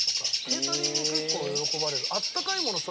ケータリング結構喜ばれる。